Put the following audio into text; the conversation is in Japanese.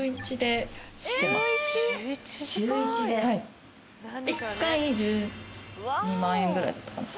１回１２万円ぐらいかな。